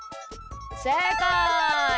せいかい！